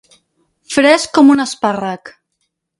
Fresc com un espàrrec.